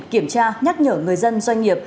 kiểm tra nhắc nhở người dân doanh nghiệp